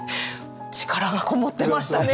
力がこもってましたね！